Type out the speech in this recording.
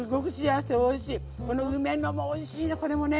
この梅のもおいしいねこれもね。